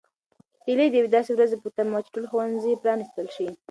هیلې د یوې داسې ورځې په تمه وه چې ټول ښوونځي پرانیستل شي.